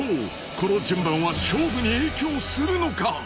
この順番は勝負に影響するのか？